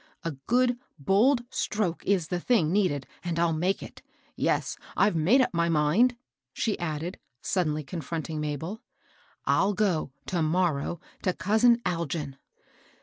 A good, bold stroke is the thing needed, and I'll make it. Yes I I've made up my mind," she added, suddenly confronting Mabel. '* I'll go, to morrow, to cousin Algin."